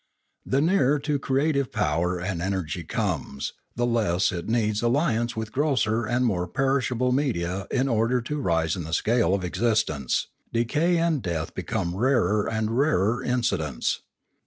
The nearer to creative power an energy comes, the less it needs alli ance with grosser and more perishable media in order to rise in the scale of existence; decay and death be come rarer and rarer incidents.